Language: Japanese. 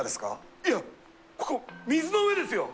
いやここ水の上ですよ。